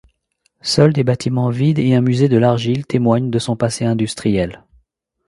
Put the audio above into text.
Seuls des bâtiments vides et un musée de l'argile témoignent de son passé industriel.